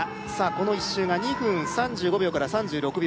この１周が２分３５秒から３６秒